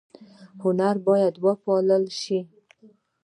هنر باید وپال ل شي